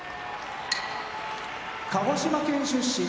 鹿児島県出身